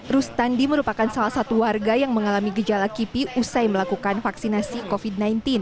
rustandi merupakan salah satu warga yang mengalami gejala kipi usai melakukan vaksinasi covid sembilan belas